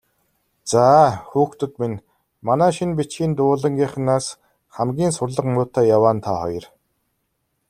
Заа, хүүхдүүд минь, манай шинэ бичгийн дугуйлангийнхнаас хамгийн сурлага муутай яваа нь та хоёр.